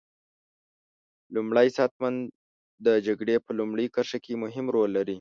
لومری ساتنمن د جګړې په لومړۍ کرښه کې مهم رول لري.